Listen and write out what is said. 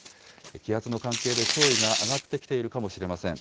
気圧の関係で潮位が上がってきているかもしれません。